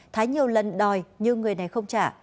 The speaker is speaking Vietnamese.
thái nhiều lần đòi nhưng người này không trả